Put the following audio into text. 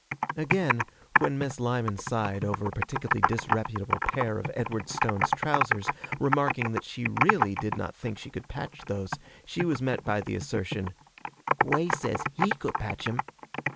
Again, when Miss Lyman sighed over a particularly disreputable pair of Edward Stone's trousers, remarking that she really did not think she could patch those, she was met by the assertion, 'Gwey says he could patch 'em.